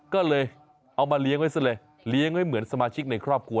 ก็เลยเอามาเลี้ยงไว้ซะเลยเลี้ยงไว้เหมือนสมาชิกในครอบครัว